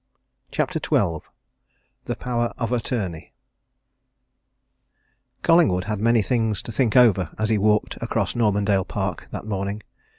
CHAPTER XII THE POWER OF ATTORNEY Collingwood had many things to think over as he walked across Normandale Park that morning.